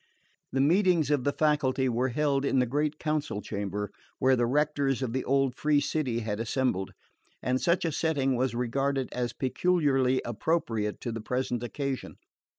The meetings of the faculty were held in the great council chamber where the Rectors of the old free city had assembled; and such a setting was regarded as peculiarly appropriate to the present occasion.